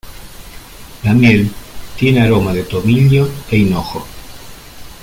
La miel tiene aroma de tomillo e hinojo.